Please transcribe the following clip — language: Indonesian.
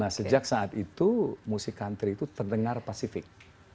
nah sejak saat itu musik country itu terdengar pasifik